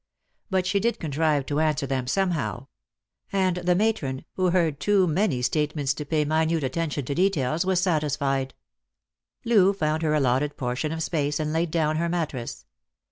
But she did contrive to answer them somehow; and the matron, who heard too many statements to pay minute attention to details, was satis fied. Loo found her allotted portion of space, and laid down her mattress.